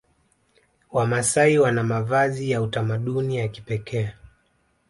Wamasai Wana mavazi ya utamaduni ya kipekee